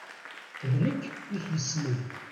D nekk i k-yessnen!